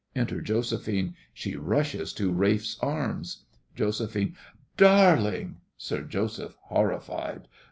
Enter JOSEPHINE; she rushes to RALPH'S arms JOS. Darling! (SIR JOSEPH horrified.)